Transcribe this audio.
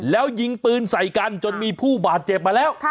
แล้วยิงปืนใส่กันจนมีผู้บาดเจ็บมาแล้ว